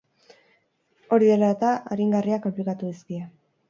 Hori dela eta, aringarriak aplikatu dizkie.